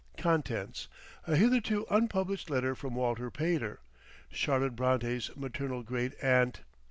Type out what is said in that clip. CONTENTS. A Hitherto Unpublished Letter from Walter Pater. Charlotte Brontë's Maternal Great Aunt.